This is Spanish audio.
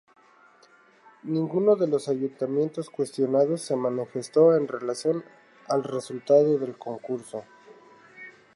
Ninguno de los ayuntamientos cuestionados se manifestó en relación al resultado del concurso.